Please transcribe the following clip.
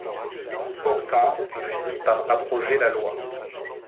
Pourtant on finit par abroger la loi.